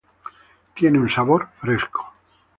Tiene un sabor fresco.